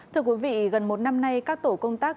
thưa quý vị gần một năm nay các tổ công tác